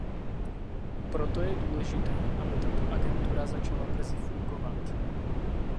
Proto je důležité, aby tato agentura začala brzy fungovat.